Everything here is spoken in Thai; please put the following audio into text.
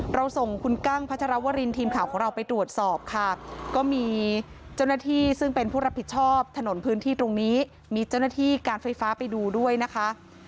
เราส่งคุณกั้งพัชรวรินทีมข่าวของเราไปตรวจสอบค่ะก็มีเจ้าหน้าที่ซึ่งเป็นผู้รับผิดชอบถนนพื้นที่ตรงนี้มีเจ้าหน้าที่การไฟฟ้าไปดูด้วยนะคะ